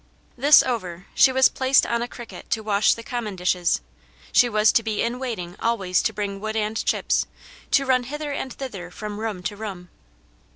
This over, she was placed on a cricket to wash the common dishes; she was to be in waiting always to bring wood and chips, to run hither and thither from room to room.